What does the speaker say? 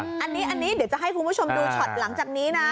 อันนี้เดี๋ยวจะให้คุณผู้ชมดูช็อตหลังจากนี้นะ